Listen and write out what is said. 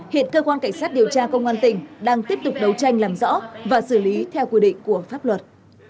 hiện cơ quan cảnh sát điều tra công an tỉnh đang tiếp tục đấu tranh làm rõ và xử lý theo quy định của pháp luật